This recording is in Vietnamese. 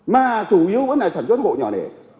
mà chủ yếu vẫn là sản xuất hộ nhỏ lẻ